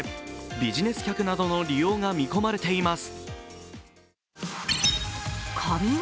ビジネス客などの利用が見込まれています。